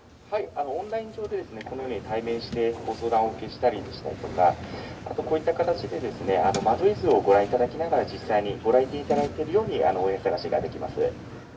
オンライン上でこのように対面してご相談をお受けしたりしたりとか、あとこういった形で、間取り図をご覧いただきながら、実際にご来店いただいているようにできます。